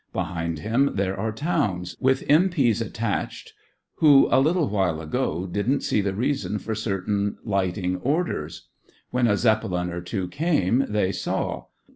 Behind him there are towns, with M. P.'s attached, who a little while ago didn't see the reason for certain lighting orders. When a Zeppelin or two came, they saw.